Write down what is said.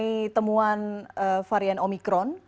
bagaimana temuan varian omikron